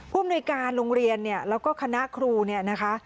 อำนวยการโรงเรียนเนี่ยแล้วก็คณะครูเนี่ยนะคะ